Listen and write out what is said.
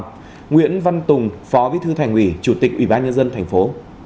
nguyễn văn tùng phó bí thư thành ủy chủ tịch ủy ban nhân dân thành phố